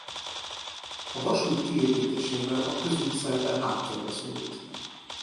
A vasút kiépítésével a közút szerepe háttérbe szorult.